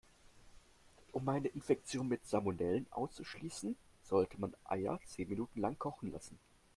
Um eine Infektion mit Salmonellen auszuschließen, sollte man Eier zehn Minuten lang kochen lassen.